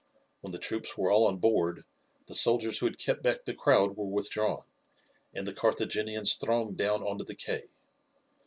When the troops were all on board the soldiers who had kept back the crowd were withdrawn, and the Carthaginians thronged down on to the quay.